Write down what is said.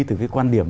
từ cái quan điểm